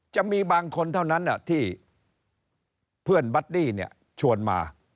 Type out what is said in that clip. จะมีบางคนเท่านั้นที่เพื่อนบัดดี้เนี่ยชวนมา